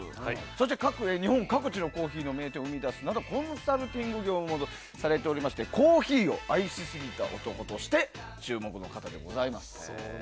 そして日本各地のコーヒーの名店を生み出すなどコンサルティング業もされておりましてコーヒーを愛しすぎた男として注目の方でございます。